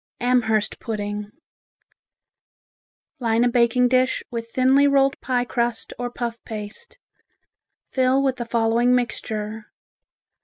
Amherst Pudding Line a baking dish with thinly rolled pie crust or puff paste. Fill with the following mixture.